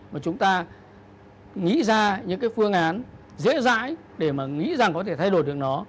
mà chúng ta nghĩ ra những cái phương án dễ dãi để mà nghĩ rằng có thể thay đổi được nó